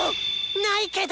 ないけど！